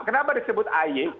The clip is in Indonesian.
kenapa disebut ay